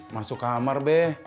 masuk kamar be